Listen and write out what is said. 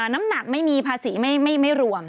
น้ำหนักไม่มีภาษีไม่รวม